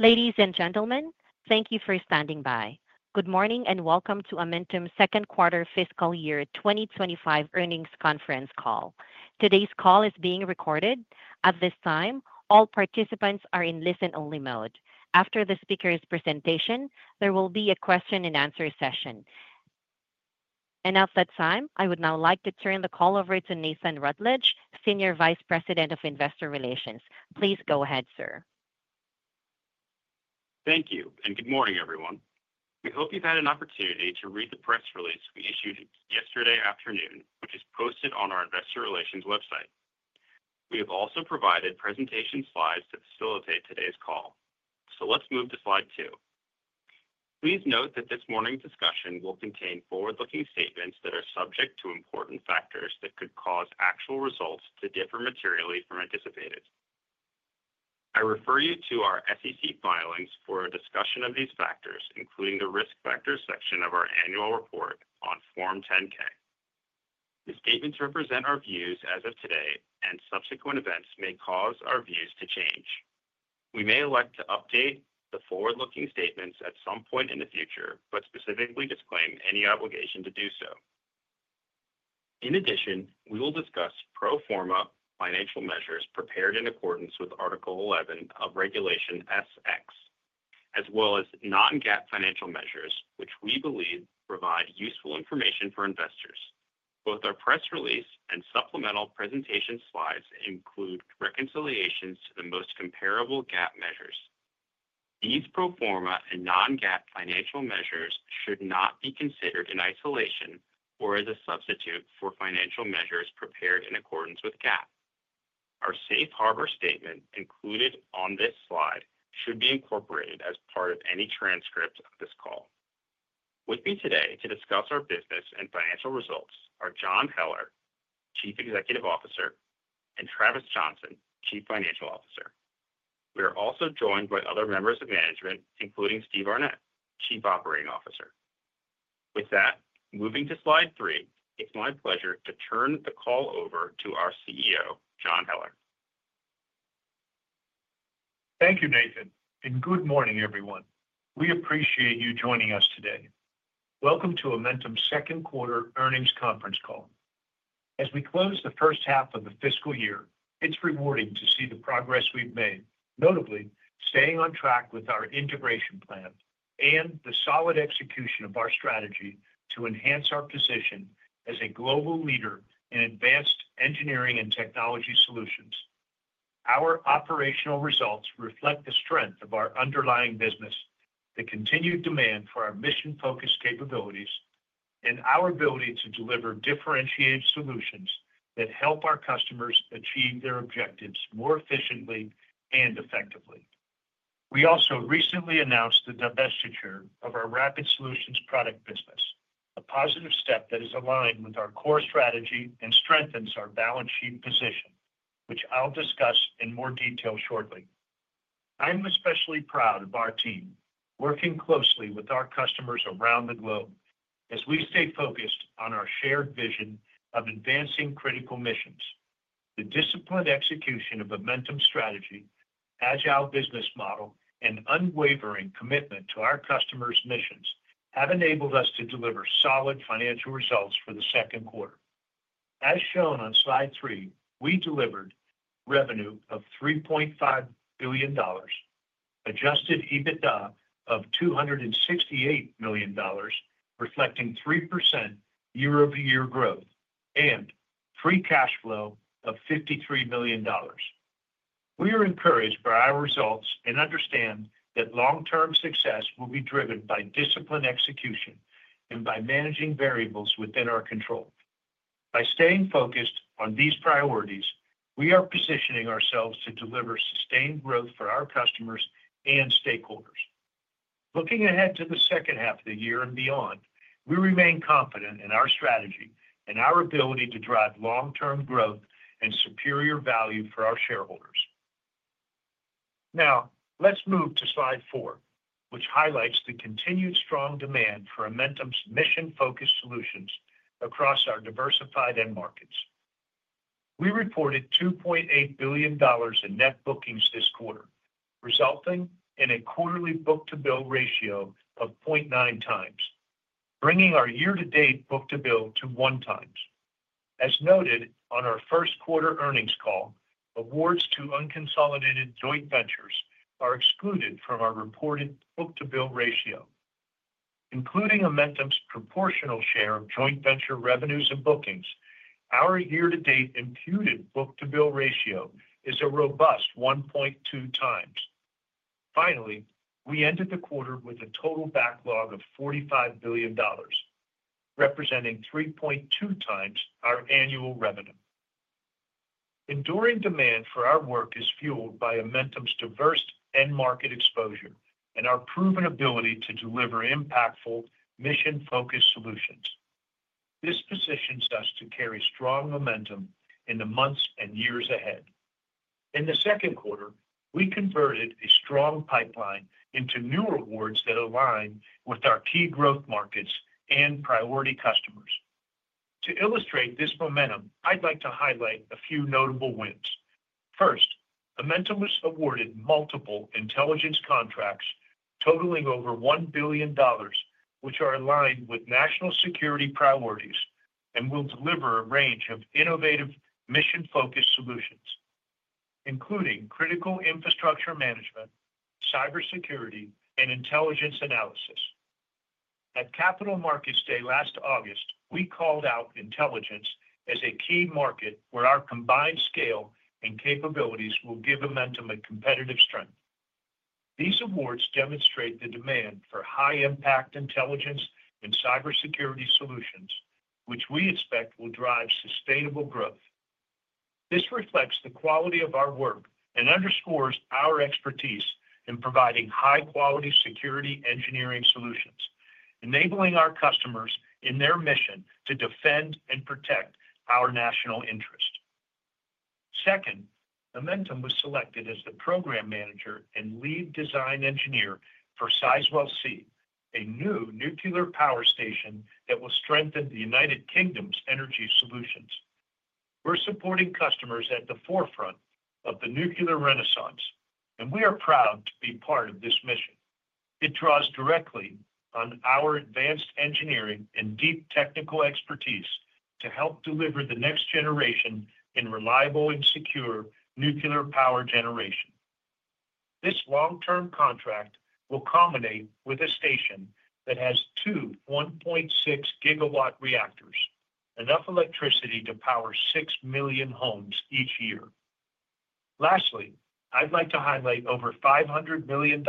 Ladies and gentlemen, thank you for standing by. Good morning and welcome to Amentum's Second Quarter Fiscal Year 2025 Earnings Conference Call. Today's call is being recorded. At this time, all participants are in listen-only mode. After the speaker's presentation, there will be a question-and-answer session. At that time, I would now like to turn the call over to Nathan Rutledge, Senior Vice President of Investor Relations. Please go ahead, sir. Thank you and good morning, everyone. We hope you've had an opportunity to read the press release we issued yesterday afternoon, which is posted on our Investor Relations website. We have also provided presentation slides to facilitate today's call. Let's move to slide two. Please note that this morning's discussion will contain forward-looking statements that are subject to important factors that could cause actual results to differ materially from anticipated. I refer you to our SEC filings for a discussion of these factors, including the risk factors section of our annual report on Form 10-K. The statements represent our views as of today, and subsequent events may cause our views to change. We may elect to update the forward-looking statements at some point in the future, but specifically disclaim any obligation to do so. In addition, we will discuss pro forma financial measures prepared in accordance with Article 11 of Regulation S-X, as well as non-GAAP financial measures, which we believe provide useful information for investors. Both our press release and supplemental presentation slides include reconciliations to the most comparable GAAP measures. These pro forma and non-GAAP financial measures should not be considered in isolation or as a substitute for financial measures prepared in accordance with GAAP. Our safe harbor statement included on this slide should be incorporated as part of any transcript of this call. With me today to discuss our business and financial results are John Heller, Chief Executive Officer, and Travis Johnson, Chief Financial Officer. We are also joined by other members of management, including Steve Arnette, Chief Operating Officer. With that, moving to slide three, it's my pleasure to turn the call over to our CEO, John Heller. Thank you, Nathan, and good morning, everyone. We appreciate you joining us today. Welcome to Amentum's second quarter earnings conference call. As we close the first half of the fiscal year, it's rewarding to see the progress we've made, notably staying on track with our integration plan and the solid execution of our strategy to enhance our position as a global leader in advanced engineering and technology solutions. Our operational results reflect the strength of our underlying business, the continued demand for our mission-focused capabilities, and our ability to deliver differentiated solutions that help our customers achieve their objectives more efficiently and effectively. We also recently announced the divestiture of our Rapid Solutions product business, a positive step that is aligned with our core strategy and strengthens our balance sheet position, which I'll discuss in more detail shortly. I'm especially proud of our team, working closely with our customers around the globe as we stay focused on our shared vision of advancing critical missions. The disciplined execution of Amentum's strategy, agile business model, and unwavering commitment to our customers' missions have enabled us to deliver solid financial results for the second quarter. As shown on slide three, we delivered revenue of $3.5 billion, adjusted EBITDA of $268 million, reflecting 3% year-over-year growth, and free cash flow of $53 million. We are encouraged by our results and understand that long-term success will be driven by disciplined execution and by managing variables within our control. By staying focused on these priorities, we are positioning ourselves to deliver sustained growth for our customers and stakeholders. Looking ahead to the second half of the year and beyond, we remain confident in our strategy and our ability to drive long-term growth and superior value for our shareholders. Now, let's move to slide four, which highlights the continued strong demand for Amentum's mission-focused solutions across our diversified end markets. We reported $2.8 billion in net bookings this quarter, resulting in a quarterly book-to-bill ratio of 0.9 times, bringing our year-to-date book-to-bill to one times. As noted on our first quarter earnings call, awards to unconsolidated joint ventures are excluded from our reported book-to-bill ratio. Including Amentum's proportional share of joint venture revenues and bookings, our year-to-date imputed book-to-bill ratio is a robust 1.2 times. Finally, we ended the quarter with a total backlog of $45 billion, representing 3.2 times our annual revenue. Enduring demand for our work is fueled by Amentum's diverse end market exposure and our proven ability to deliver impactful, mission-focused solutions. This positions us to carry strong momentum in the months and years ahead. In the second quarter, we converted a strong pipeline into new awards that align with our key growth markets and priority customers. To illustrate this momentum, I'd like to highlight a few notable wins. First, Amentum was awarded multiple intelligence contracts totaling over $1 billion, which are aligned with national security priorities and will deliver a range of innovative mission-focused solutions, including critical infrastructure management, cybersecurity, and intelligence analysis. At Capital Markets Day last August, we called out intelligence as a key market where our combined scale and capabilities will give Amentum a competitive strength. These awards demonstrate the demand for high-impact intelligence and cybersecurity solutions, which we expect will drive sustainable growth. This reflects the quality of our work and underscores our expertise in providing high-quality security engineering solutions, enabling our customers in their mission to defend and protect our national interest. Second, Amentum was selected as the program manager and lead design engineer for Sizewell C, a new nuclear power station that will strengthen the United Kingdom's energy solutions. We're supporting customers at the forefront of the nuclear renaissance, and we are proud to be part of this mission. It draws directly on our advanced engineering and deep technical expertise to help deliver the next generation in reliable and secure nuclear power generation. This long-term contract will culminate with a station that has two 1.6 GW reactors, enough electricity to power 6 million homes each year. Lastly, I'd like to highlight over $500 million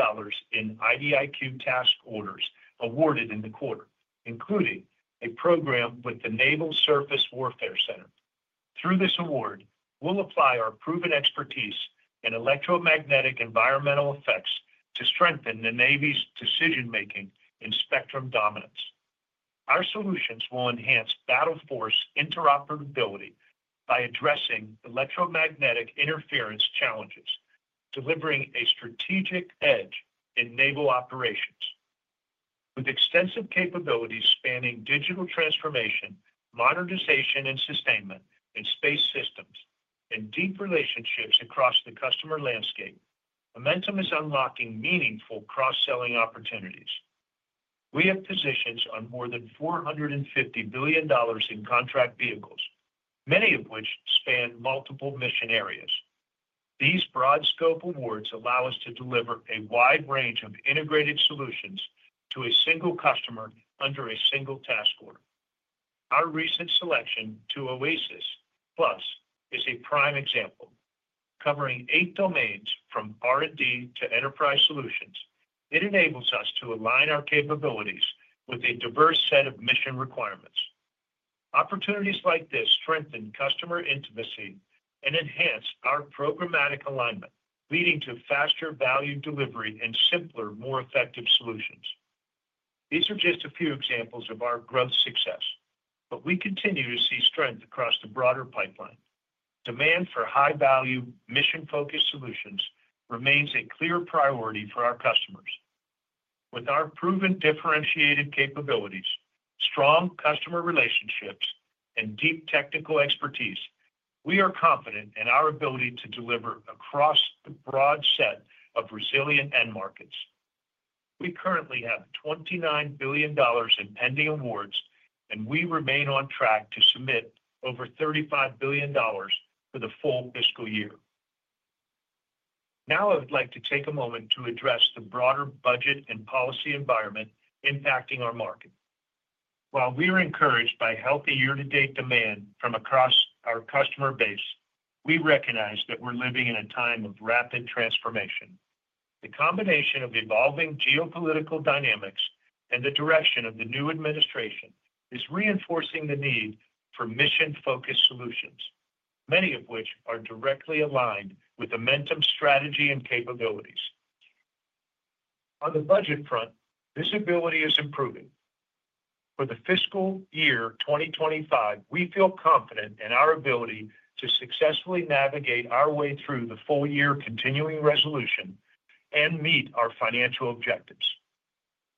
in IDIQ task orders awarded in the quarter, including a program with the Naval Surface Warfare Center. Through this award, we'll apply our proven expertise in electromagnetic environmental effects to strengthen the Navy's decision-making in spectrum dominance. Our solutions will enhance battle force interoperability by addressing electromagnetic interference challenges, delivering a strategic edge in naval operations. With extensive capabilities spanning digital transformation, modernization, and sustainment in space systems, and deep relationships across the customer landscape, Amentum is unlocking meaningful cross-selling opportunities. We have positions on more than $450 billion in contract vehicles, many of which span multiple mission areas. These broad-scope awards allow us to deliver a wide range of integrated solutions to a single customer under a single task order. Our recent selection to OASIS+ is a prime example. Covering eight domains from R&D to enterprise solutions, it enables us to align our capabilities with a diverse set of mission requirements. Opportunities like this strengthen customer intimacy and enhance our programmatic alignment, leading to faster value delivery and simpler, more effective solutions. These are just a few examples of our growth success, but we continue to see strength across the broader pipeline. Demand for high-value, mission-focused solutions remains a clear priority for our customers. With our proven differentiated capabilities, strong customer relationships, and deep technical expertise, we are confident in our ability to deliver across the broad set of resilient end markets. We currently have $29 billion in pending awards, and we remain on track to submit over $35 billion for the full fiscal year. Now, I would like to take a moment to address the broader budget and policy environment impacting our market. While we are encouraged by healthy year-to-date demand from across our customer base, we recognize that we're living in a time of rapid transformation. The combination of evolving geopolitical dynamics and the direction of the new administration is reinforcing the need for mission-focused solutions, many of which are directly aligned with Amentum's strategy and capabilities. On the budget front, visibility is improving. For the fiscal year 2025, we feel confident in our ability to successfully navigate our way through the full-year continuing resolution and meet our financial objectives.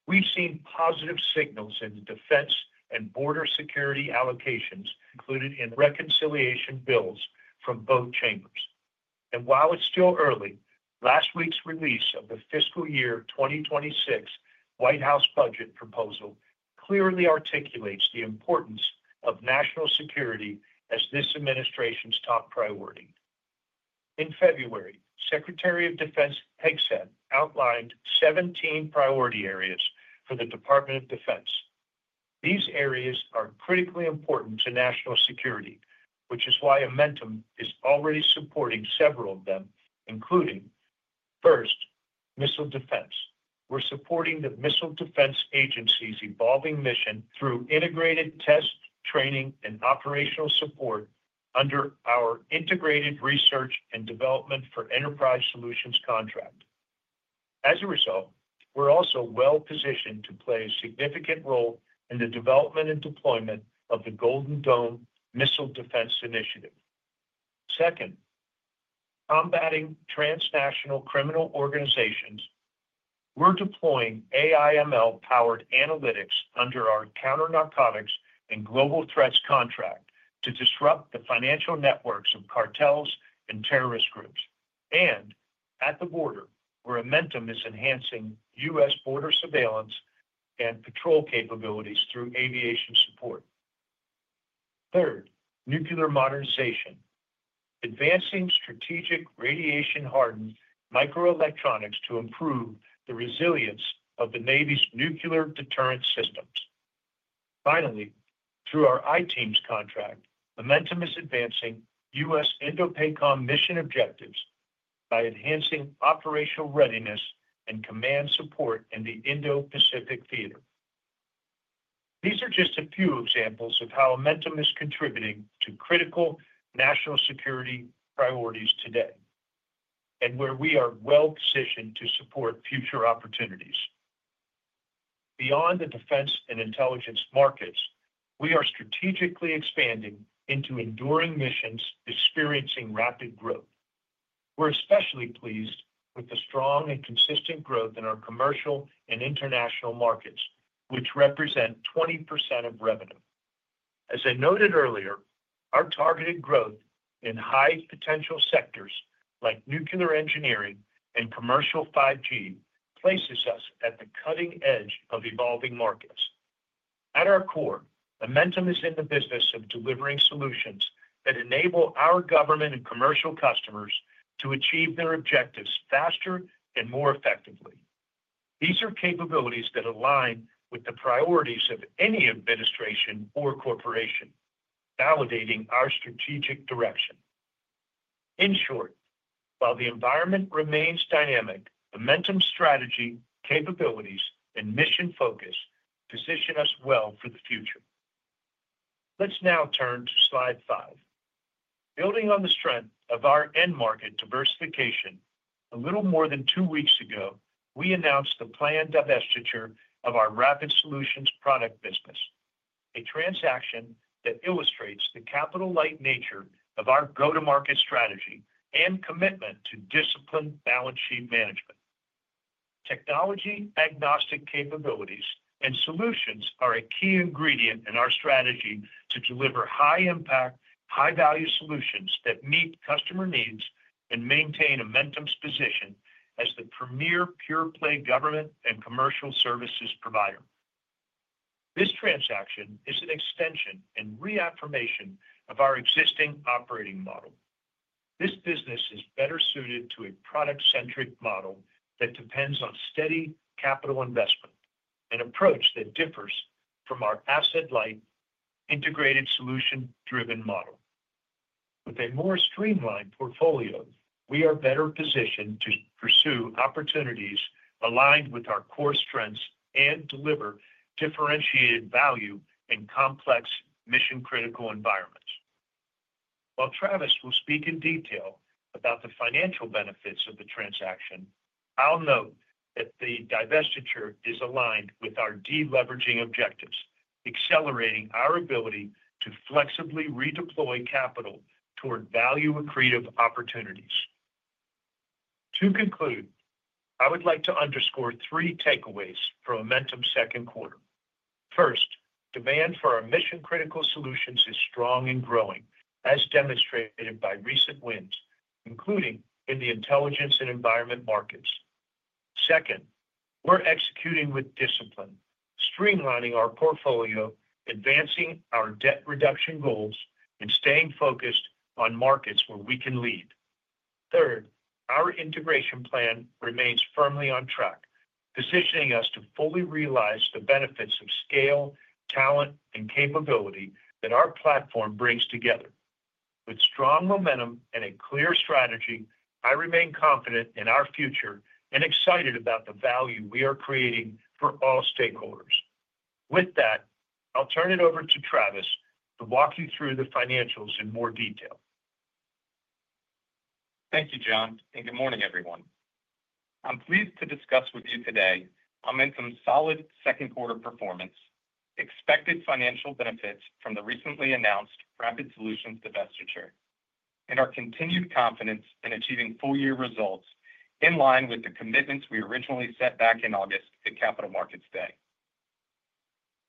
We've seen positive signals in the defense and border security allocations included in reconciliation bills from both chambers. While it's still early, last week's release of the fiscal year 2026 White House budget proposal clearly articulates the importance of national security as this administration's top priority. In February, Secretary of Defense Pete Hegseth outlined 17 priority areas for the Department of Defense. These areas are critically important to national security, which is why Amentum is already supporting several of them, including: First, missile defense. We're supporting the Missile Defense Agency's evolving mission through integrated test, training, and operational support under our Integrated Research and Development for Enterprise Solutions contract. As a result, we're also well-positioned to play a significant role in the development and deployment of the Golden Dome Missile Defense Initiative. Second, combating transnational criminal organizations. We're deploying AIML-powered analytics under our Counternarcotics and Global Threats contract to disrupt the financial networks of cartels and terrorist groups. At the border, where Amentum is enhancing U.S. border surveillance and patrol capabilities through aviation support. Third, nuclear modernization. Advancing strategic radiation-hardened microelectronics to improve the resilience of the Navy's nuclear deterrence systems. Finally, through our ITEAMS contract, Amentum is advancing U.S. INDOPACOM mission objectives by enhancing operational readiness and command support in the Indo-Pacific theater. These are just a few examples of how Amentum is contributing to critical national security priorities today and where we are well-positioned to support future opportunities. Beyond the defense and intelligence markets, we are strategically expanding into enduring missions experiencing rapid growth. We're especially pleased with the strong and consistent growth in our commercial and international markets, which represent 20% of revenue. As I noted earlier, our targeted growth in high-potential sectors like nuclear engineering and commercial 5G places us at the cutting edge of evolving markets. At our core, Amentum is in the business of delivering solutions that enable our government and commercial customers to achieve their objectives faster and more effectively. These are capabilities that align with the priorities of any administration or corporation, validating our strategic direction. In short, while the environment remains dynamic, Amentum's strategy, capabilities, and mission focus position us well for the future. Let's now turn to slide five. Building on the strength of our end market diversification, a little more than two weeks ago, we announced the planned divestiture of our Rapid Solutions product business, a transaction that illustrates the capital-light nature of our go-to-market strategy and commitment to disciplined balance sheet management. Technology-agnostic capabilities and solutions are a key ingredient in our strategy to deliver high-impact, high-value solutions that meet customer needs and maintain Amentum's position as the premier pure-play government and commercial services provider. This transaction is an extension and reaffirmation of our existing operating model. This business is better suited to a product-centric model that depends on steady capital investment, an approach that differs from our asset-light, integrated solution-driven model. With a more streamlined portfolio, we are better positioned to pursue opportunities aligned with our core strengths and deliver differentiated value in complex mission-critical environments. While Travis will speak in detail about the financial benefits of the transaction, I'll note that the divestiture is aligned with our deleveraging objectives, accelerating our ability to flexibly redeploy capital toward value-accretive opportunities. To conclude, I would like to underscore three takeaways for Amentum's second quarter. First, demand for our mission-critical solutions is strong and growing, as demonstrated by recent wins, including in the intelligence and environment markets. Second, we're executing with discipline, streamlining our portfolio, advancing our debt reduction goals, and staying focused on markets where we can lead. Third, our integration plan remains firmly on track, positioning us to fully realize the benefits of scale, talent, and capability that our platform brings together. With strong momentum and a clear strategy, I remain confident in our future and excited about the value we are creating for all stakeholders. With that, I'll turn it over to Travis to walk you through the financials in more detail. Thank you, John, and good morning, everyone. I'm pleased to discuss with you today Amentum's solid second-quarter performance, expected financial benefits from the recently announced Rapid Solutions divestiture, and our continued confidence in achieving full-year results in line with the commitments we originally set back in August at Capital Markets Day.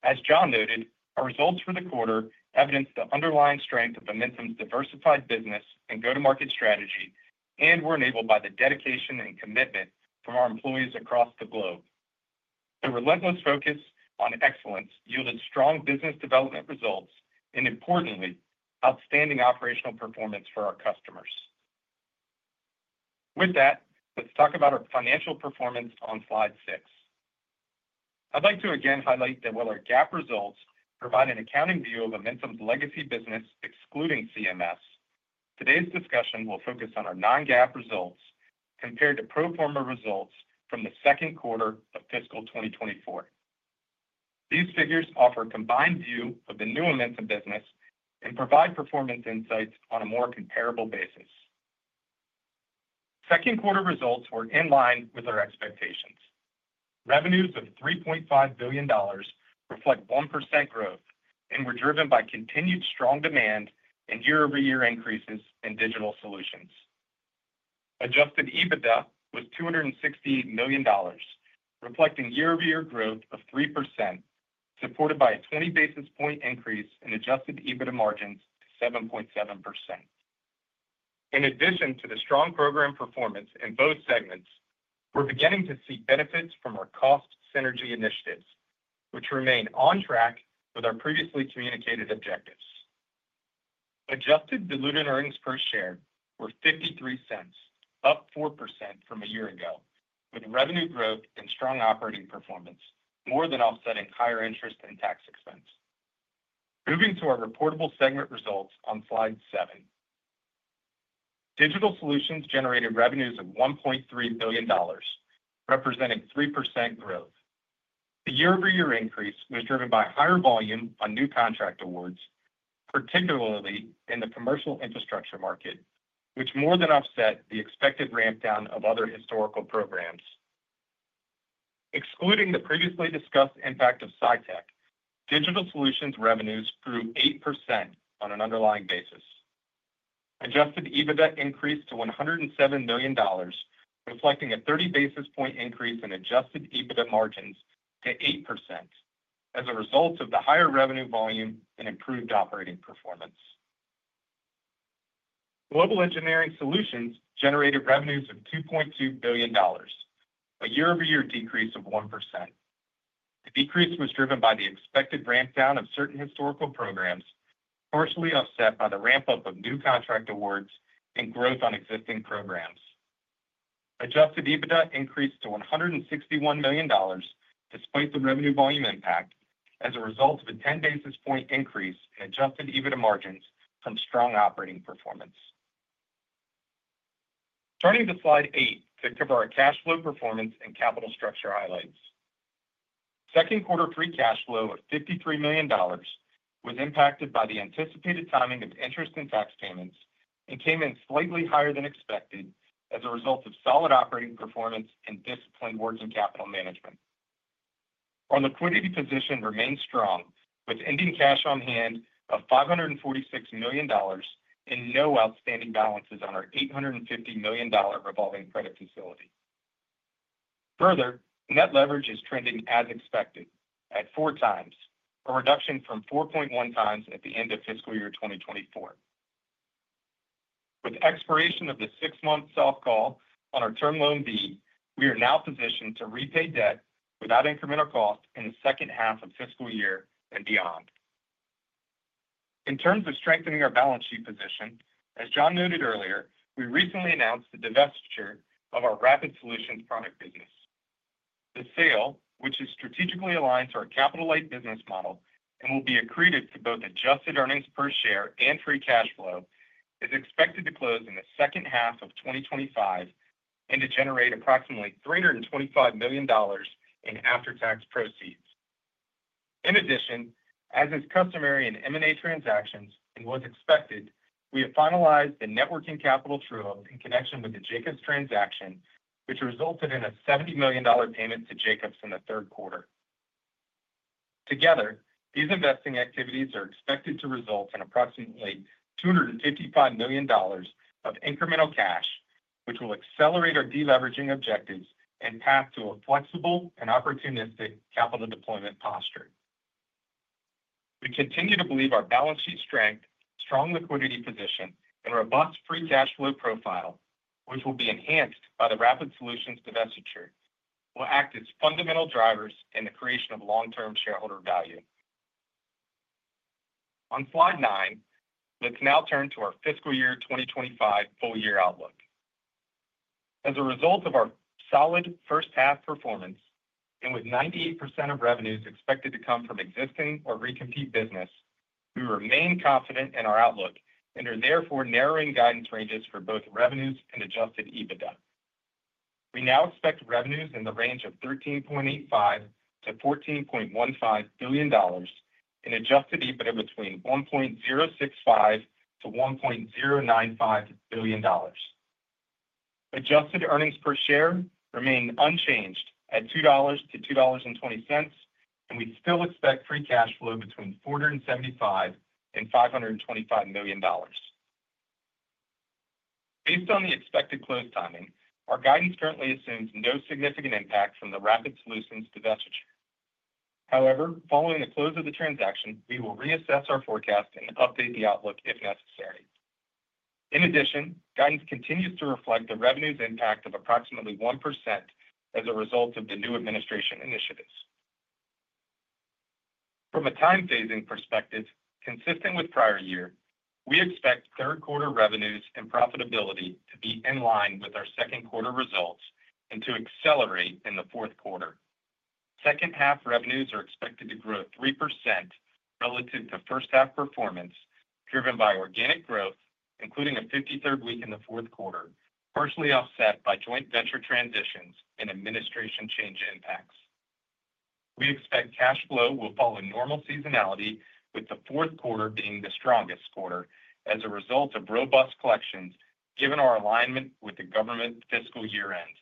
As John noted, our results for the quarter evidence the underlying strength of Amentum's diversified business and go-to-market strategy, and were enabled by the dedication and commitment from our employees across the globe. The relentless focus on excellence yielded strong business development results and, importantly, outstanding operational performance for our customers. With that, let's talk about our financial performance on slide six. I'd like to again highlight that while our GAAP results provide an accounting view of Amentum's legacy business excluding CMS, today's discussion will focus on our non-GAAP results compared to pro forma results from the second quarter of fiscal 2024. These figures offer a combined view of the new Amentum business and provide performance insights on a more comparable basis. Second-quarter results were in line with our expectations. Revenues of $3.5 billion reflect 1% growth and were driven by continued strong demand and year-over-year increases in digital solutions. Adjusted EBITDA was $268 million, reflecting year-over-year growth of 3%, supported by a 20 basis point increase in adjusted EBITDA margins to 7.7%. In addition to the strong program performance in both segments, we're beginning to see benefits from our cost synergy initiatives, which remain on track with our previously communicated objectives. Adjusted diluted earnings per share were $0.53, up 4% from a year ago, with revenue growth and strong operating performance more than offsetting higher interest and tax expense. Moving to our reportable segment results on slide seven. Digital solutions generated revenues of $1.3 billion, representing 3% growth. The year-over-year increase was driven by higher volume on new contract awards, particularly in the commercial infrastructure market, which more than offset the expected ramp-down of other historical programs. Excluding the previously discussed impact of SITEC, digital solutions revenues grew 8% on an underlying basis. Adjusted EBITDA increased to $107 million, reflecting a 30 basis point increase in adjusted EBITDA margins to 8%, as a result of the higher revenue volume and improved operating performance. Global engineering solutions generated revenues of $2.2 billion, a year-over-year decrease of 1%. The decrease was driven by the expected ramp-down of certain historical programs, partially offset by the ramp-up of new contract awards and growth on existing programs. Adjusted EBITDA increased to $161 million, despite the revenue volume impact, as a result of a 10 basis point increase in adjusted EBITDA margins from strong operating performance. Turning to slide eight to cover our cash flow performance and capital structure highlights. Second-quarter free cash flow of $53 million was impacted by the anticipated timing of interest and tax payments and came in slightly higher than expected as a result of solid operating performance and disciplined working capital management. Our liquidity position remained strong, with ending cash on hand of $546 million and no outstanding balances on our $850 million revolving credit facility. Further, net leverage is trending as expected at four times, a reduction from 4.1 times at the end of fiscal year 2024. With expiration of the six-month soft call on our term loan B, we are now positioned to repay debt without incremental cost in the second half of fiscal year and beyond. In terms of strengthening our balance sheet position, as John noted earlier, we recently announced the divestiture of our Rapid Solutions product business. The sale, which is strategically aligned to our capital-light business model and will be accretive to both adjusted earnings per share and free cash flow, is expected to close in the second half of 2025 and to generate approximately $325 million in after-tax proceeds. In addition, as is customary in M&A transactions and was expected, we have finalized the networking capital through in connection with the Jacobs transaction, which resulted in a $70 million payment to Jacobs in the third quarter. Together, these investing activities are expected to result in approximately $255 million of incremental cash, which will accelerate our deleveraging objectives and path to a flexible and opportunistic capital deployment posture. We continue to believe our balance sheet strength, strong liquidity position, and robust free cash flow profile, which will be enhanced by the Rapid Solutions divestiture, will act as fundamental drivers in the creation of long-term shareholder value. On slide nine, let's now turn to our fiscal year 2025 full-year outlook. As a result of our solid first-half performance and with 98% of revenues expected to come from existing or recompete business, we remain confident in our outlook and are therefore narrowing guidance ranges for both revenues and adjusted EBITDA. We now expect revenues in the range of $13.85 billion-$14.15 billion and adjusted EBITDA between $1.065 billion-$1.095 billion. Adjusted earnings per share remain unchanged at $2-$2.20, and we still expect free cash flow between $475 million-$525 million. Based on the expected close timing, our guidance currently assumes no significant impact from the Rapid Solutions divestiture. However, following the close of the transaction, we will reassess our forecast and update the outlook if necessary. In addition, guidance continues to reflect the revenues' impact of approximately 1% as a result of the new administration initiatives. From a time phasing perspective, consistent with prior year, we expect third-quarter revenues and profitability to be in line with our second-quarter results and to accelerate in the fourth quarter. Second-half revenues are expected to grow 3% relative to first-half performance, driven by organic growth, including a 53rd week in the fourth quarter, partially offset by joint venture transitions and administration change impacts. We expect cash flow will fall in normal seasonality, with the fourth quarter being the strongest quarter as a result of robust collections, given our alignment with the government fiscal year-end.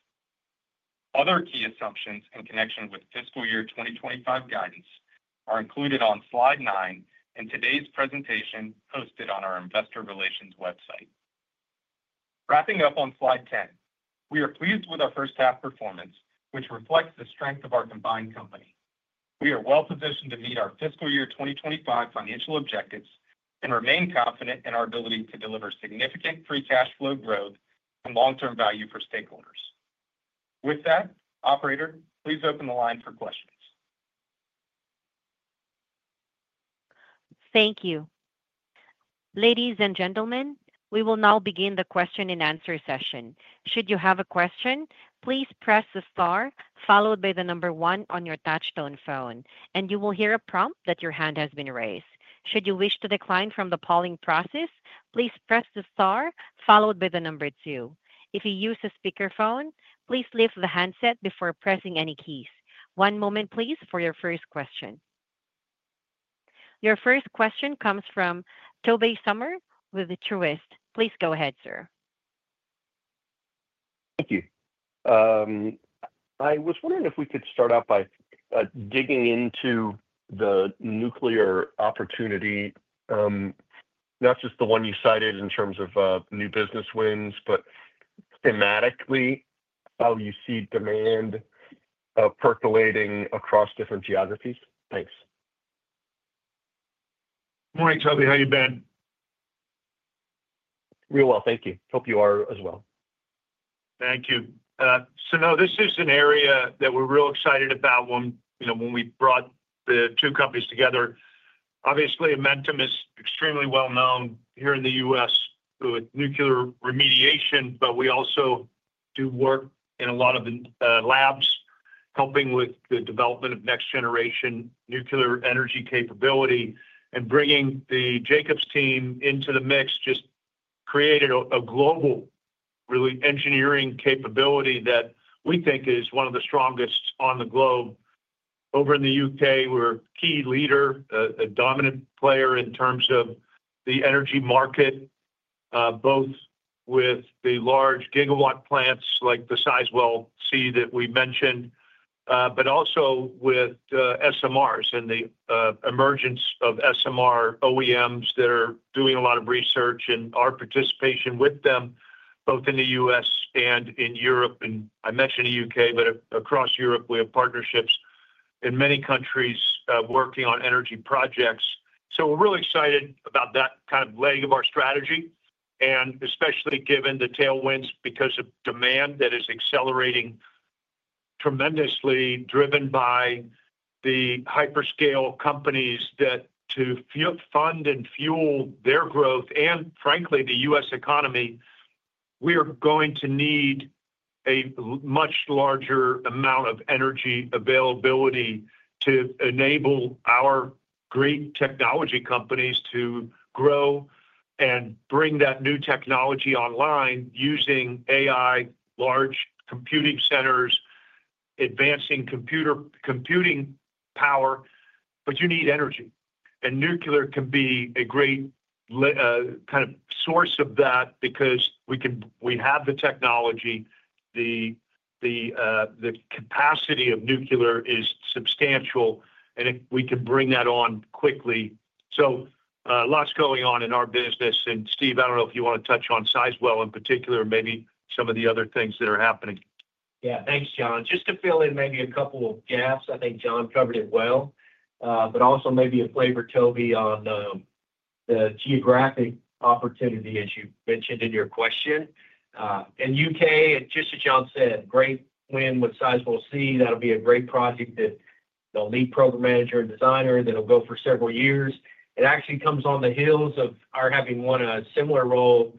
Other key assumptions in connection with fiscal year 2025 guidance are included on slide nine in today's presentation posted on our Investor Relations website. Wrapping up on slide 10, we are pleased with our first-half performance, which reflects the strength of our combined company. We are well positioned to meet our fiscal year 2025 financial objectives and remain confident in our ability to deliver significant free cash flow growth and long-term value for stakeholders. With that, Operator, please open the line for questions. Thank you. Ladies and gentlemen, we will now begin the question and answer session. Should you have a question, please press the star followed by the number one on your touch-tone phone, and you will hear a prompt that your hand has been raised. Should you wish to decline from the polling process, please press the star followed by the number two. If you use a speakerphone, please lift the handset before pressing any keys. One moment, please, for your first question. Your first question comes from Tobey Sommer with Truist. Please go ahead, sir. Thank you. I was wondering if we could start out by digging into the nuclear opportunity, not just the one you cited in terms of new business wins, but thematically how you see demand percolating across different geographies. Thanks. Morning, Tobey. How you been? Real well. Thank you. Hope you are as well. Thank you. No, this is an area that we're real excited about when we brought the two companies together. Obviously, Amentum is extremely well known here in the U.S. with nuclear remediation, but we also do work in a lot of labs helping with the development of next-generation nuclear energy capability and bringing the Jacobs team into the mix just created a global engineering capability that we think is one of the strongest on the globe. Over in the U.K., we're a key leader, a dominant player in terms of the energy market, both with the large gigawatt plants like the Sizewell C that we mentioned, but also with SMRs and the emergence of SMR OEMs that are doing a lot of research and our participation with them both in the U.S. and in Europe. I mentioned the U.K., but across Europe, we have partnerships in many countries working on energy projects. We're really excited about that kind of leg of our strategy, especially given the tailwinds because of demand that is accelerating tremendously driven by the hyperscale companies that to fund and fuel their growth and, frankly, the U.S. economy, we are going to need a much larger amount of energy availability to enable our great technology companies to grow and bring that new technology online using AI, large computing centers, advancing computing power, but you need energy. Nuclear can be a great kind of source of that because we have the technology. The capacity of nuclear is substantial, and we can bring that on quickly. Lots going on in our business. Steve, I do not know if you want to touch on Sizewell in particular, maybe some of the other things that are happening. Yeah. Thanks, John. Just to fill in maybe a couple of gaps. I think John covered it well, but also maybe a flavor, Tobey, on the geographic opportunity as you mentioned in your question. And U.K., just as John said, great win with Sizewell C. That'll be a great project that they'll need program manager and designer that'll go for several years. It actually comes on the heels of our having won a similar role in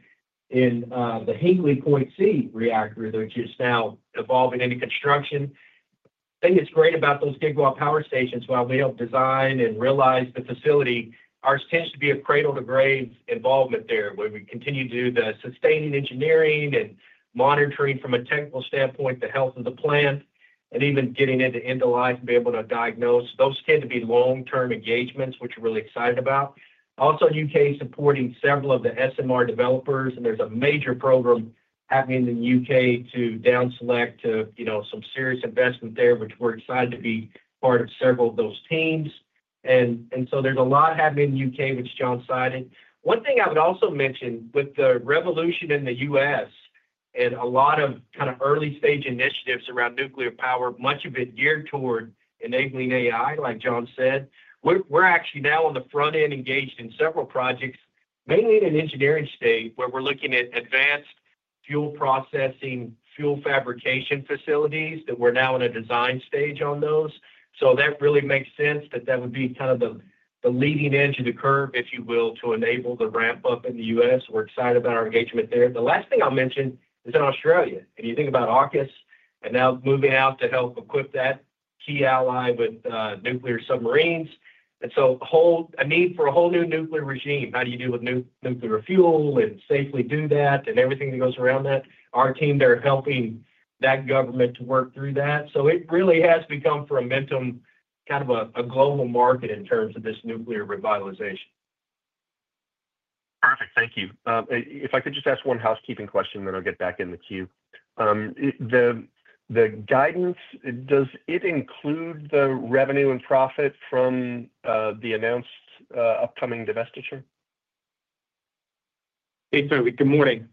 the Hinkley Point C reactor that's just now evolving into construction. I think it's great about those gigawatt power stations. While we help design and realize the facility, ours tends to be a cradle-to-grave involvement there where we continue to do the sustaining engineering and monitoring from a technical standpoint, the health of the plant, and even getting it to end of life and be able to diagnose. Those tend to be long-term engagements, which we're really excited about. Also in the U.K., supporting several of the SMR developers, and there's a major program happening in the U.K. to downselect to some serious investment there, which we're excited to be part of several of those teams. There is a lot happening in the U.K., which John cited. One thing I would also mention with the revolution in the U.S. and a lot of kind of early-stage initiatives around nuclear power, much of it geared toward enabling AI, like John said. We're actually now on the front end engaged in several projects, mainly in an engineering state where we're looking at advanced fuel processing, fuel fabrication facilities that we're now in a design stage on those. That really makes sense that that would be kind of the leading edge of the curve, if you will, to enable the ramp-up in the U.S. We're excited about our engagement there. The last thing I'll mention is in Australia. If you think about AUKUS and now moving out to help equip that key ally with nuclear submarines. And so a need for a whole new nuclear regime. How do you deal with nuclear fuel and safely do that and everything that goes around that? Our team there are helping that government to work through that. So it really has become for Amentum kind of a global market in terms of this nuclear revitalization. Perfect. Thank you. If I could just ask one housekeeping question, then I'll get back in the queue. The guidance, does it include the revenue and profit from the announced upcoming divestiture? Hey, Tobey. Good morning.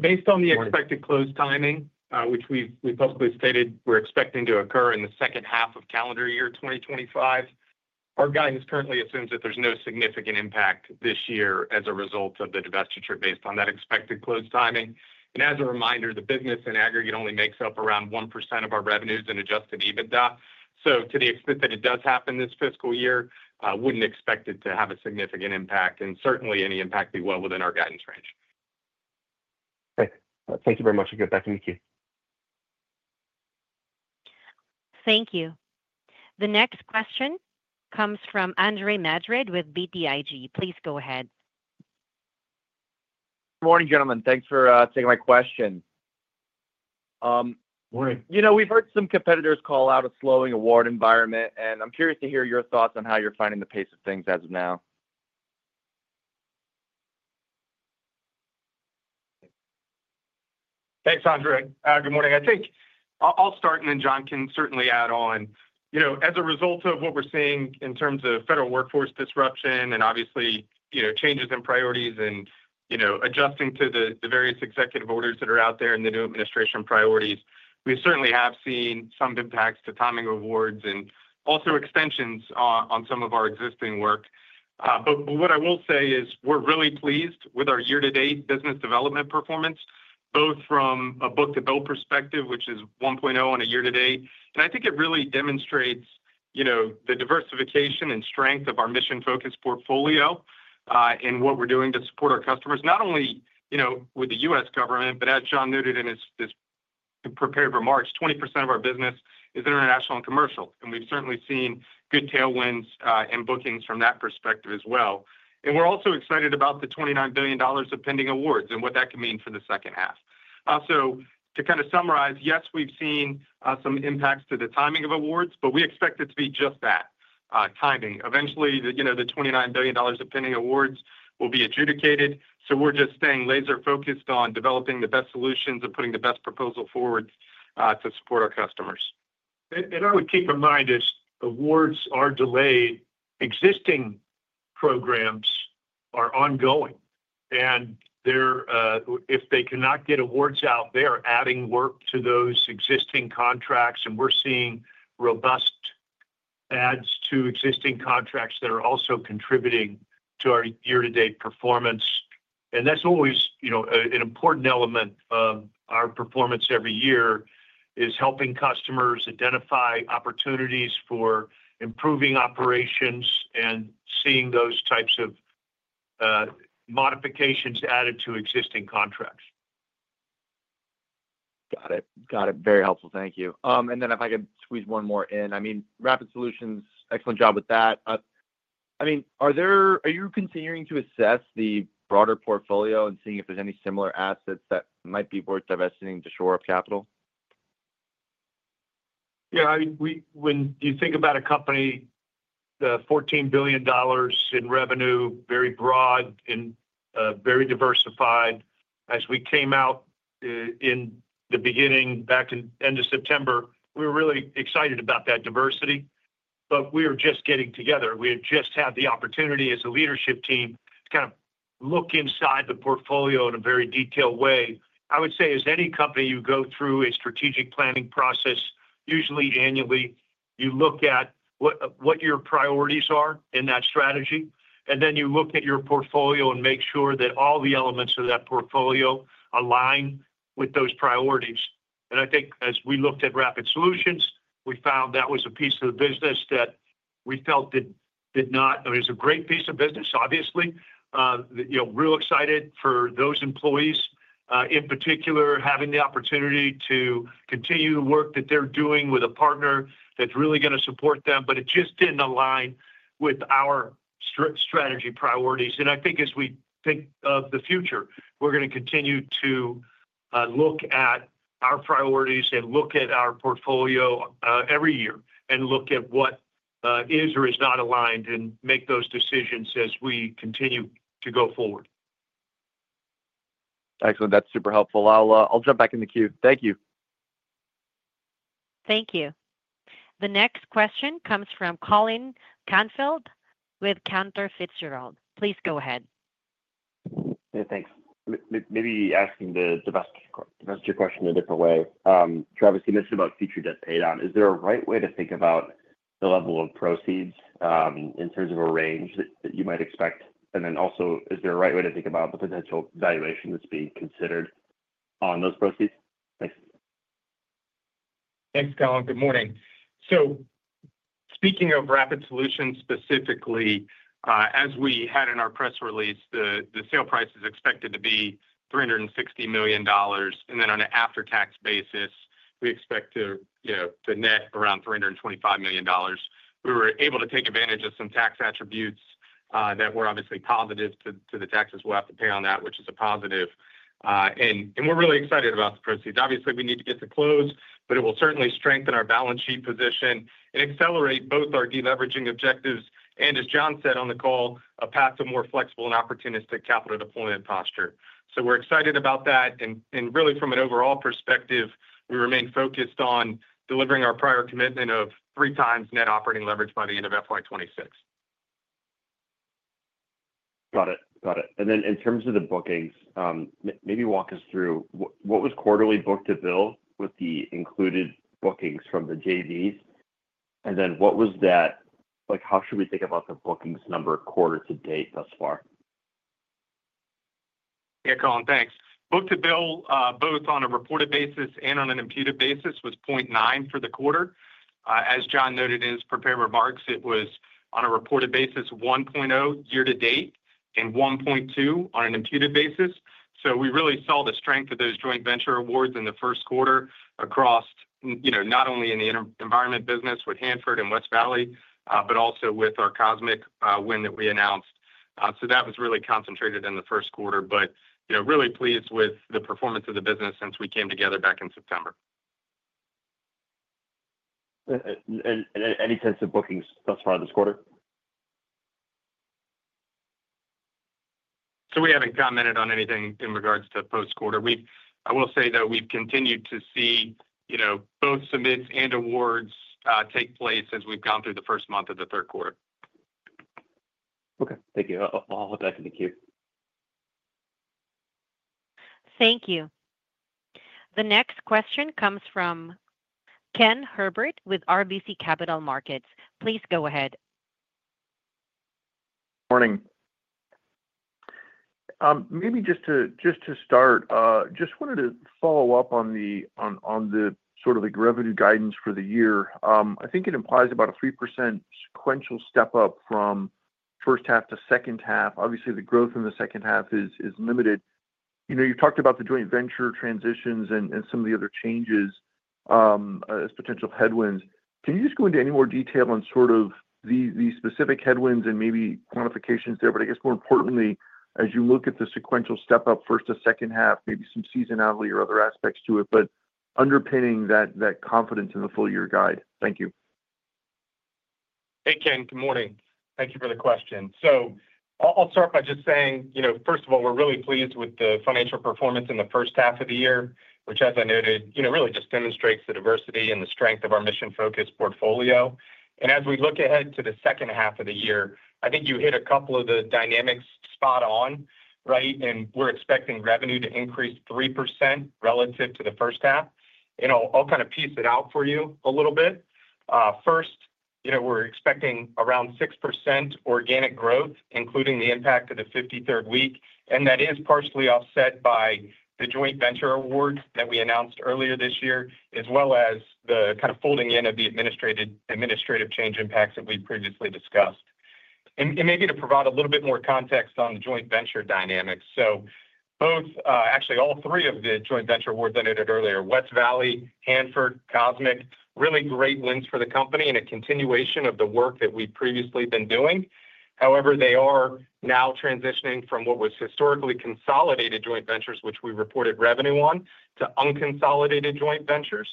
Based on the expected close timing, which we publicly stated we're expecting to occur in the second half of calendar year 2025, our guidance currently assumes that there's no significant impact this year as a result of the divestiture based on that expected close timing. As a reminder, the business in aggregate only makes up around 1% of our revenues and adjusted EBITDA. To the extent that it does happen this fiscal year, I wouldn't expect it to have a significant impact and certainly any impact would be well within our guidance range. Thank you very much. I'll get back in the queue. Thank you. The next question comes from Andre Madrid with BTIG. Please go ahead. Good morning, gentlemen. Thanks for taking my question. Morning. We've heard some competitors call out a slowing award environment, and I'm curious to hear your thoughts on how you're finding the pace of things as of now? Thanks, Andrew. Good morning. I think I'll start, and then John can certainly add on. As a result of what we're seeing in terms of federal workforce disruption and obviously changes in priorities and adjusting to the various executive orders that are out there and the new administration priorities, we certainly have seen some impacts to timing of awards and also extensions on some of our existing work. What I will say is we're really pleased with our year-to-date business development performance, both from a book-to-bill perspective, which is 1.0 on a year-to-date. I think it really demonstrates the diversification and strength of our mission-focused portfolio and what we're doing to support our customers, not only with the U.S. government, but as John noted in his prepared remarks, 20% of our business is international and commercial. We've certainly seen good tailwinds and bookings from that perspective as well. We're also excited about the $29 billion of pending awards and what that can mean for the second half. To kind of summarize, yes, we've seen some impacts to the timing of awards, but we expect it to be just that, timing. Eventually, the $29 billion of pending awards will be adjudicated. We're just staying laser-focused on developing the best solutions and putting the best proposal forward to support our customers. I would keep in mind as awards are delayed, existing programs are ongoing. If they cannot get awards out, they're adding work to those existing contracts. We're seeing robust adds to existing contracts that are also contributing to our year-to-date performance. That's always an important element of our performance every year, helping customers identify opportunities for improving operations and seeing those types of modifications added to existing contracts. Got it. Got it. Very helpful. Thank you. If I could squeeze one more in. I mean, Rapid Solutions, excellent job with that. Are you continuing to assess the broader portfolio and seeing if there's any similar assets that might be worth divesting to shore up capital? Yeah. I mean, when you think about a company, the $14 billion in revenue, very broad and very diversified, as we came out in the beginning back in end of September, we were really excited about that diversity. We were just getting together. We had just had the opportunity as a leadership team to kind of look inside the portfolio in a very detailed way. I would say as any company, you go through a strategic planning process, usually annually, you look at what your priorities are in that strategy, and then you look at your portfolio and make sure that all the elements of that portfolio align with those priorities. I think as we looked at Rapid Solutions, we found that was a piece of the business that we felt did not, it was a great piece of business, obviously. Real excited for those employees, in particular, having the opportunity to continue the work that they're doing with a partner that's really going to support them, but it just did not align with our strategy priorities. I think as we think of the future, we're going to continue to look at our priorities and look at our portfolio every year and look at what is or is not aligned and make those decisions as we continue to go forward. Excellent. That's super helpful. I'll jump back in the queue. Thank you. Thank you. The next question comes from Colin Canfield with Cantor Fitzgerald. Please go ahead. Thanks. Maybe asking the divestiture question in a different way. Travis, you mentioned about future debt paid on. Is there a right way to think about the level of proceeds in terms of a range that you might expect? And then also, is there a right way to think about the potential valuation that's being considered on those proceeds? Thanks. Thanks, Colin. Good morning. Speaking of Rapid Solutions specifically, as we had in our press release, the sale price is expected to be $360 million. On an after-tax basis, we expect to net around $325 million. We were able to take advantage of some tax attributes that were obviously positive to the taxes we will have to pay on that, which is a positive. We are really excited about the proceeds. Obviously, we need to get to close, but it will certainly strengthen our balance sheet position and accelerate both our deleveraging objectives and, as John said on the call, a path to more flexible and opportunistic capital deployment posture. We are excited about that. From an overall perspective, we remain focused on delivering our prior commitment of three times net operating leverage by the end of FY2026. Got it. Got it. Then in terms of the bookings, maybe walk us through what was quarterly book-to-bill with the included bookings from the JVs? What was that? How should we think about the bookings number quarter to date thus far? Yeah, Colin, thanks. Book-to-bill, both on a reported basis and on an imputed basis, was 0.9 for the quarter. As John noted in his prepared remarks, it was on a reported basis, 1.0 year-to-date and 1.2 on an imputed basis. We really saw the strength of those joint venture awards in the first quarter across not only in the environment business with Hanford and West Valley, but also with our cosmic win that we announced. That was really concentrated in the first quarter, but really pleased with the performance of the business since we came together back in September. Any sense of bookings thus far this quarter? We have not commented on anything in regards to post-quarter. I will say, though, we have continued to see both submits and awards take place as we have gone through the first month of the third quarter. Okay. Thank you. I will hold back in the queue. Thank you. The next question comes from Ken Herbert with RBC Capital Markets. Please go ahead. Morning. Maybe just to start, just wanted to follow up on the sort of the revenue guidance for the year. I think it implies about a 3% sequential step-up from first half to second half. Obviously, the growth in the second half is limited. You talked about the joint venture transitions and some of the other changes as potential headwinds. Can you just go into any more detail on sort of the specific headwinds and maybe quantifications there? I guess more importantly, as you look at the sequential step-up, first to second half, maybe some seasonality or other aspects to it, but underpinning that confidence in the full-year guide. Thank you. Hey, Ken. Good morning. Thank you for the question. I'll start by just saying, first of all, we're really pleased with the financial performance in the first half of the year, which, as I noted, really just demonstrates the diversity and the strength of our mission-focused portfolio. As we look ahead to the second half of the year, I think you hit a couple of the dynamics spot on, right? We're expecting revenue to increase 3% relative to the first half. I'll kind of piece it out for you a little bit. First, we're expecting around 6% organic growth, including the impact of the 53rd week. That is partially offset by the joint venture awards that we announced earlier this year, as well as the kind of folding in of the administrative change impacts that we previously discussed. Maybe to provide a little bit more context on the joint venture dynamic. Actually, all three of the joint venture awards I noted earlier, West Valley, Hanford, Cosmic, really great wins for the company and a continuation of the work that we've previously been doing. However, they are now transitioning from what was historically consolidated joint ventures, which we reported revenue on, to unconsolidated joint ventures.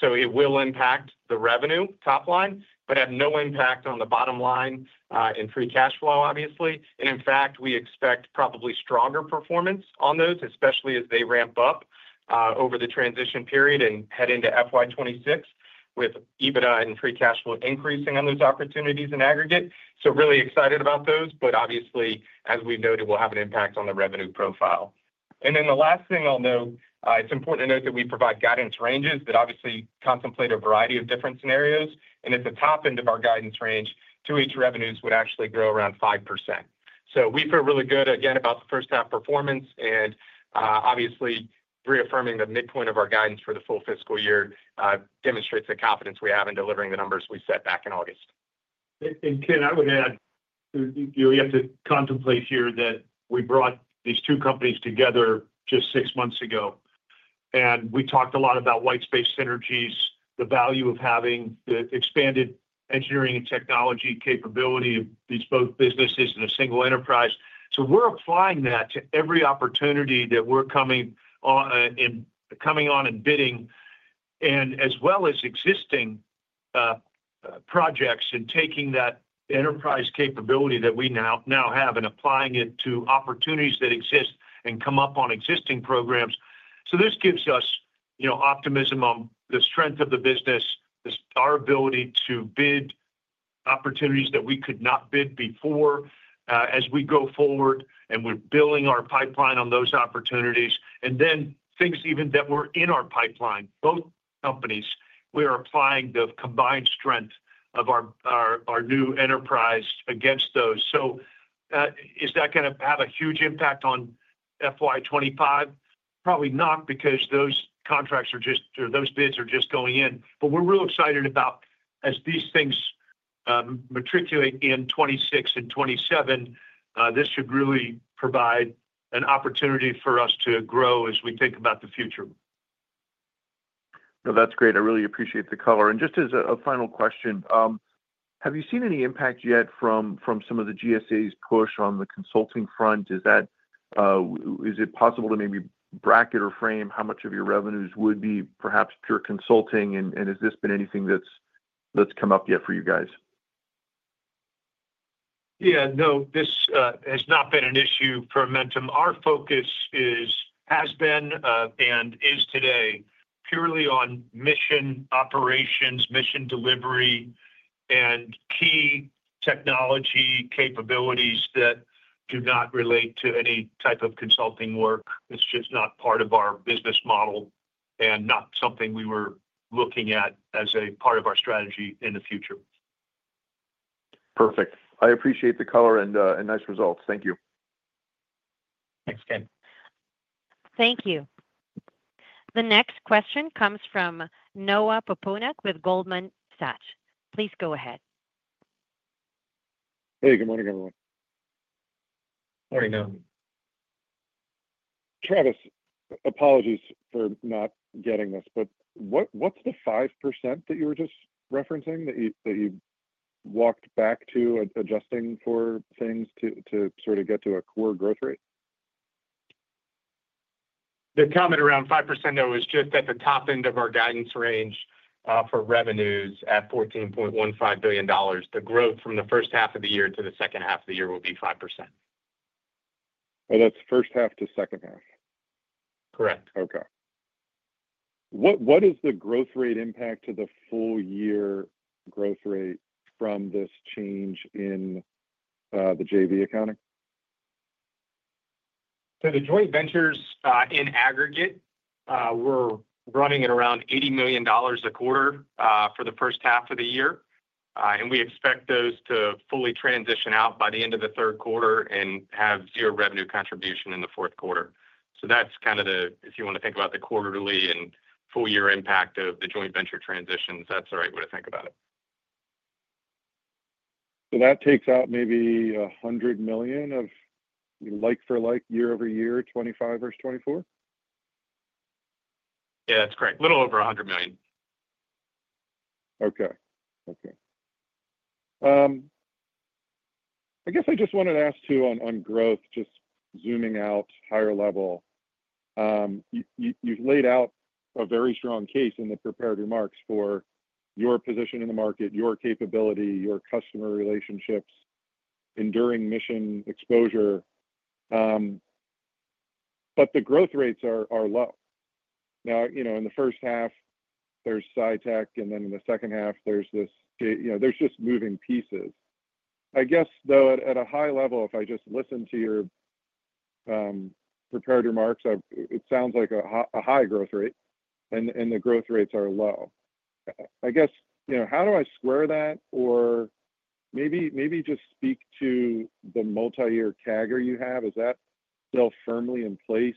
It will impact the revenue top line, but have no impact on the bottom line in free cash flow, obviously. In fact, we expect probably stronger performance on those, especially as they ramp up over the transition period and head into fiscal year 2026 with EBITDA and free cash flow increasing on those opportunities in aggregate. Really excited about those, but obviously, as we've noted, will have an impact on the revenue profile. The last thing I'll note, it's important to note that we provide guidance ranges that obviously contemplate a variety of different scenarios. At the top end of our guidance range, two-week revenues would actually grow around 5%. We feel really good, again, about the first-half performance. Obviously, reaffirming the midpoint of our guidance for the full fiscal year demonstrates the confidence we have in delivering the numbers we set back in August. Ken, I would add, you know, you have to contemplate here that we brought these two companies together just six months ago. We talked a lot about white space synergies, the value of having the expanded engineering and technology capability of these both businesses in a single enterprise. We are applying that to every opportunity that we are coming on and bidding, as well as existing projects and taking that enterprise capability that we now have and applying it to opportunities that exist and come up on existing programs. This gives us optimism on the strength of the business, our ability to bid opportunities that we could not bid before as we go forward, and we are building our pipeline on those opportunities. Then things even that were in our pipeline, both companies, we are applying the combined strength of our new enterprise against those. Is that going to have a huge impact on FY2025? Probably not because those contracts are just, or those bids are just going in. We are real excited about as these things matriculate in 2026 and 2027, this should really provide an opportunity for us to grow as we think about the future. No, that's great. I really appreciate the color. Just as a final question, have you seen any impact yet from some of the GSA's push on the consulting front? Is it possible to maybe bracket or frame how much of your revenues would be perhaps pure consulting? Has this been anything that's come up yet for you guys? Yeah. No, this has not been an issue for Amentum. Our focus has been and is today purely on mission operations, mission delivery, and key technology capabilities that do not relate to any type of consulting work. It's just not part of our business model and not something we were looking at as a part of our strategy in the future. Perfect. I appreciate the color and nice results. Thank you. Thanks, Ken. Thank you. The next question comes from Noah Poponak with Goldman Sachs. Please go ahead. Hey, good morning, everyone. Morning, Noah. Travis, apologies for not getting this, but what's the 5% that you were just referencing that you walked back to adjusting for things to sort of get to a core growth rate? The comment around 5%, though, is just at the top end of our guidance range for revenues at $14.15 billion. The growth from the first half of the year to the second half of the year will be 5%. Oh, that's first half to second half. Correct. Okay. What is the growth rate impact to the full-year growth rate from this change in the JV accounting? So the joint ventures in aggregate were running at around $80 million a quarter for the first half of the year. And we expect those to fully transition out by the end of the third quarter and have zero revenue contribution in the fourth quarter. That is kind of the, if you want to think about the quarterly and full-year impact of the joint venture transitions, that is the right way to think about it. That takes out maybe $100 million of like-for-like year-over-year, 2025 versus 2024? Yeah, that is correct. A little over $100 million. Okay. Okay. I guess I just wanted to ask too on growth, just zooming out higher level. You've laid out a very strong case in the prepared remarks for your position in the market, your capability, your customer relationships, enduring mission exposure. But the growth rates are low. Now, in the first half, there's SciTech, and then in the second half, there's this. There's just moving pieces. I guess, though, at a high level, if I just listen to your prepared remarks, it sounds like a high growth rate, and the growth rates are low. I guess, how do I square that? Or maybe just speak to the multi-year CAGR you have. Is that still firmly in place?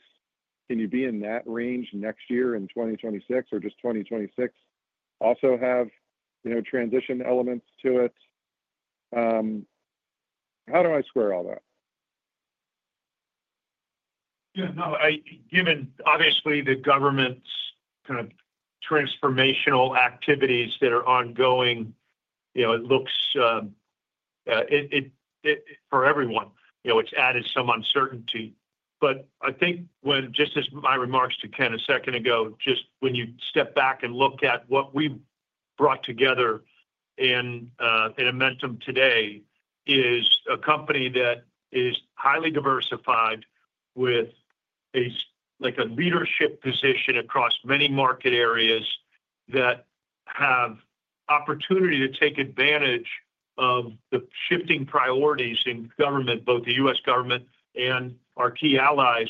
Can you be in that range next year in 2026 or just 2026? Also have transition elements to it. How do I square all that? Yeah. No, given obviously the government's kind of transformational activities that are ongoing, it looks for everyone, it's added some uncertainty. Just as my remarks to Ken a second ago, just when you step back and look at what we've brought together in Amentum today is a company that is highly diversified with a leadership position across many market areas that have opportunity to take advantage of the shifting priorities in government, both the U.S. government and our key allies.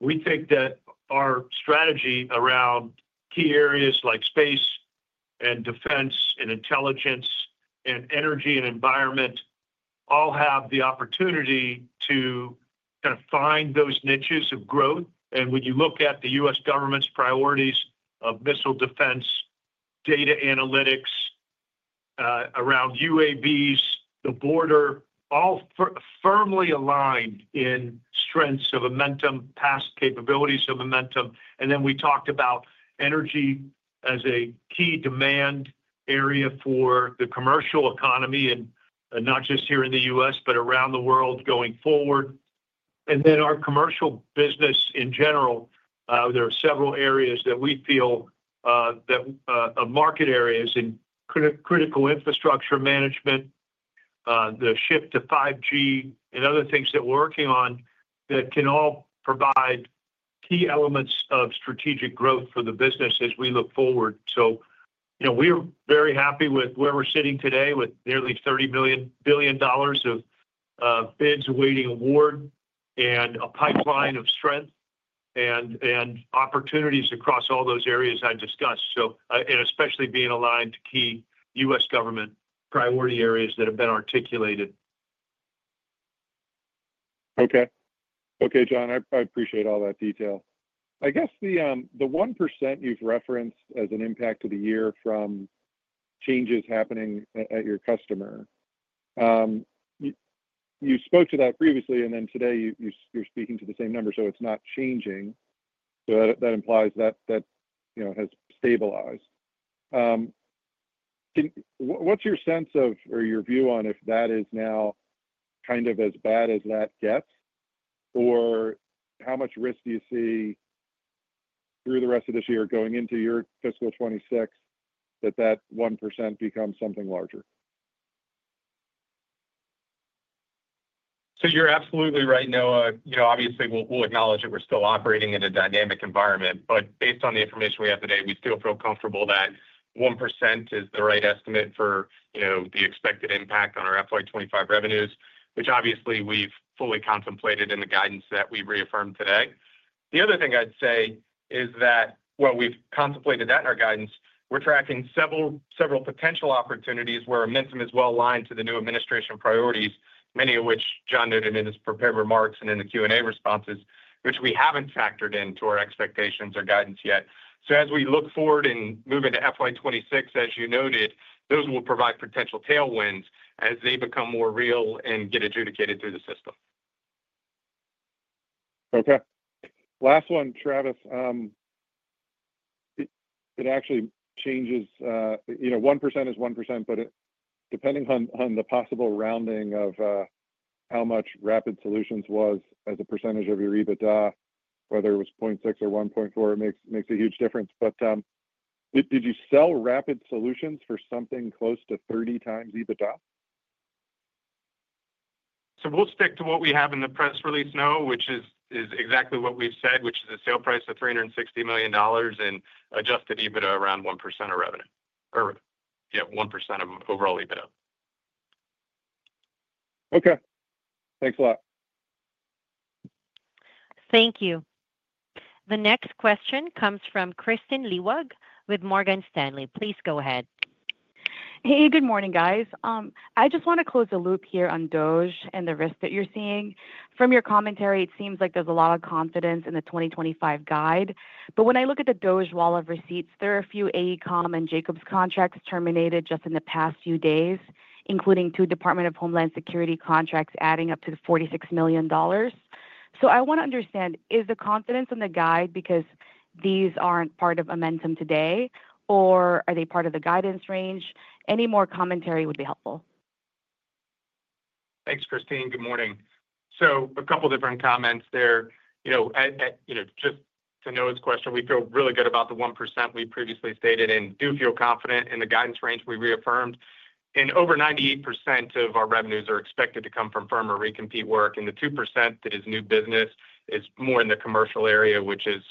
We think that our strategy around key areas like space and defense and intelligence and energy and environment all have the opportunity to kind of find those niches of growth. When you look at the U.S. government's priorities of missile defense, data analytics around UAVs, the border, all firmly aligned in strengths of Amentum, past capabilities of Amentum. We talked about energy as a key demand area for the commercial economy, and not just here in the U.S., but around the world going forward. Our commercial business in general, there are several areas that we feel that a market area is in critical infrastructure management, the shift to 5G, and other things that we're working on that can all provide key elements of strategic growth for the business as we look forward. We're very happy with where we're sitting today with nearly $30 billion of bids awaiting award and a pipeline of strength and opportunities across all those areas I discussed, and especially being aligned to key U.S. government priority areas that have been articulated. Okay. Okay, John. I appreciate all that detail. I guess the 1% you've referenced as an impact of the year from changes happening at your customer, you spoke to that previously, and then today you're speaking to the same number, so it's not changing. That implies that has stabilized. What's your sense of or your view on if that is now kind of as bad as that gets? Or how much risk do you see through the rest of this year going into your fiscal 2026 that that 1% becomes something larger? You're absolutely right, Noah. Obviously, we'll acknowledge that we're still operating in a dynamic environment, but based on the information we have today, we still feel comfortable that 1% is the right estimate for the expected impact on our FY2025 revenues, which obviously we've fully contemplated in the guidance that we reaffirmed today. The other thing I'd say is that, we've contemplated that in our guidance. We're tracking several potential opportunities where Amentum is well aligned to the new administration priorities, many of which John noted in his prepared remarks and in the Q&A responses, which we haven't factored into our expectations or guidance yet. As we look forward and move into FY2026, as you noted, those will provide potential tailwinds as they become more real and get adjudicated through the system. Okay. Last one, Travis. It actually changes. 1% is 1%, but depending on the possible rounding of how much Rapid Solutions was as a percentage of your EBITDA, whether it was 0.6 or 1.4, it makes a huge difference. Did you sell Rapid Solutions for something close to 30 times EBITDA? We'll stick to what we have in the press release now, which is exactly what we've said, which is a sale price of $360 million and adjusted EBITDA around 1% of revenue. Or yeah, 1% of overall EBITDA. Okay. Thanks a lot. Thank you. The next question comes from Kristene Liwag with Morgan Stanley. Please go ahead. Hey, good morning, guys. I just want to close the loop here on DOGE and the risk that you're seeing. From your commentary, it seems like there's a lot of confidence in the 2025 guide. When I look at the DOGE wall of receipts, there are a few AECOM and Jacobs contracts terminated just in the past few days, including two Department of Homeland Security contracts adding up to $46 million. I want to understand, is the confidence in the guide because these are not part of Amentum today, or are they part of the guidance range? Any more commentary would be helpful. Thanks, Kristene. Good morning. A couple of different comments there. Just to Noah's question, we feel really good about the 1% we previously stated and do feel confident in the guidance range we reaffirmed. Over 98% of our revenues are expected to come from firm or recompete work. The 2% that is new business is more in the commercial area, which is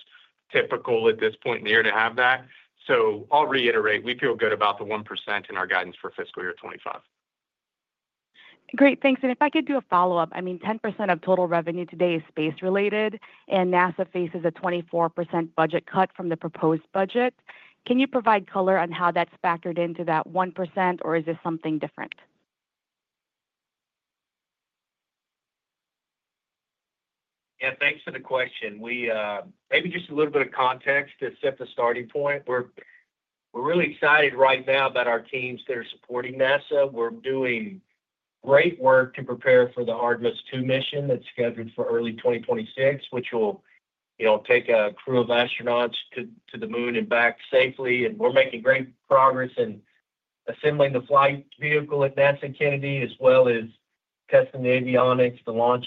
typical at this point in the year to have that. I will reiterate, we feel good about the 1% in our guidance for fiscal year 2025. Great. Thanks. If I could do a follow-up, I mean, 10% of total revenue today is space-related, and NASA faces a 24% budget cut from the proposed budget. Can you provide color on how that's factored into that 1%, or is it something different? Yeah. Thanks for the question. Maybe just a little bit of context to set the starting point. We're really excited right now about our teams that are supporting NASA. We're doing great work to prepare for the Artemis II mission that's scheduled for early 2026, which will take a crew of astronauts to the moon and back safely. We're making great progress in assembling the flight vehicle at NASA and Kennedy, as well as testing the avionics, the launch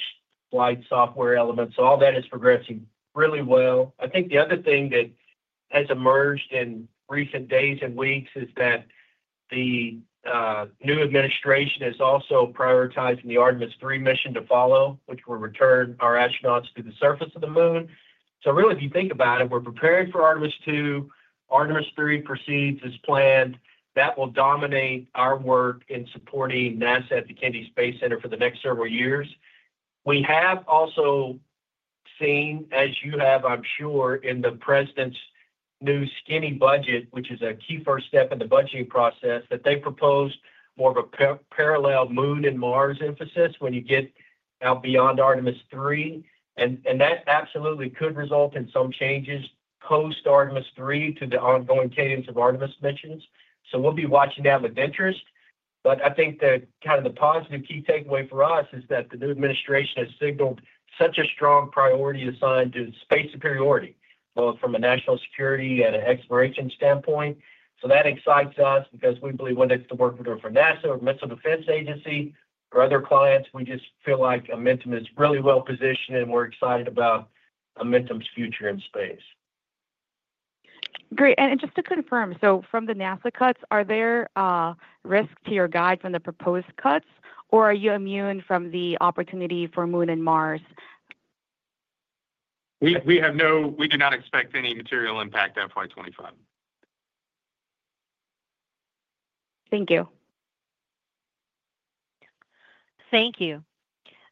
flight software elements. All that is progressing really well. I think the other thing that has emerged in recent days and weeks is that the new administration is also prioritizing the Artemis III mission to follow, which will return our astronauts to the surface of the moon. So really, if you think about it, we're preparing for Artemis II. Artemis III proceeds as planned. That will dominate our work in supporting NASA at the Kennedy Space Center for the next several years. We have also seen, as you have, I'm sure, in the president's new skinny budget, which is a key first step in the budgeting process, that they proposed more of a parallel moon and Mars emphasis when you get out beyond Artemis III. And that absolutely could result in some changes post-Artemis III to the ongoing cadence of Artemis missions. So we'll be watching that with interest. I think kind of the positive key takeaway for us is that the new administration has signaled such a strong priority assigned to space superiority both from a national security and an exploration standpoint. That excites us because we believe whether it's the work we're doing for NASA or Missile Defense Agency or other clients, we just feel like Amentum is really well positioned, and we're excited about Amentum's future in space. Great. Just to confirm, from the NASA cuts, are there risks to your guide from the proposed cuts, or are you immune from the opportunity for moon and Mars? We do not expect any material impact in FY2025. Thank you. Thank you.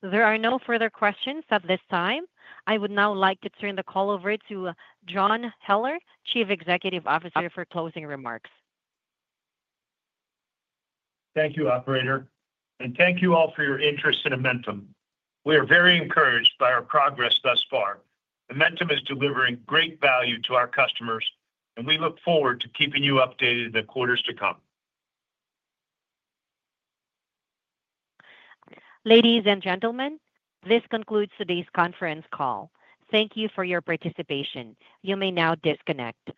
There are no further questions at this time. I would now like to turn the call over to John Heller, Chief Executive Officer, for closing remarks. Thank you, Operator. Thank you all for your interest in Amentum. We are very encouraged by our progress thus far. Amentum is delivering great value to our customers, and we look forward to keeping you updated in the quarters to come. Ladies and gentlemen, this concludes today's conference call. Thank you for your participation. You may now disconnect.